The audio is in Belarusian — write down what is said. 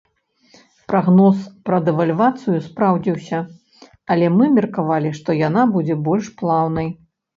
Прагноз пра дэвальвацыю спраўдзіўся, але мы меркавалі, што яна будзе больш плаўнай.